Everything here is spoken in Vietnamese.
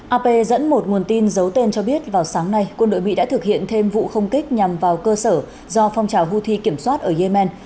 ap dẫn một nguồn tin giấu tên cho biết vào sáng nay quân đội mỹ đã thực hiện thêm vụ không kích nhằm vào cơ sở do phong trào houthi kiểm soát ở yemen